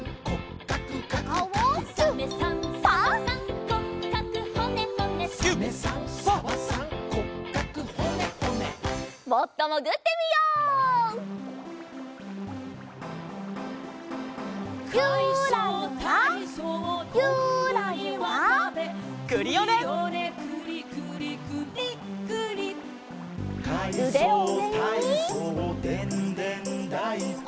「かいそうたいそうでんでんだいこ」